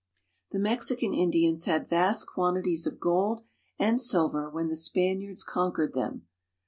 The Mexican Indians had vast quantities of gold and silver when the Spaniards conquered them.